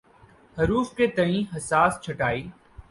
حروف کے تئیں حساس چھٹائی